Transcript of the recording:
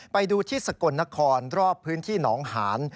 ไปดูที่สกลนครรอบพื้นที่หนองหาน